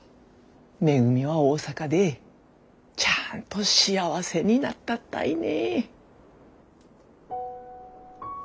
めぐみは大阪でちゃんと幸せになったったいね。